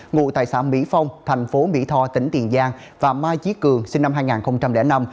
ngụ tại xã mỹ phong thành phố mỹ tho tỉnh tiền giang và mai chí cường sinh năm hai nghìn năm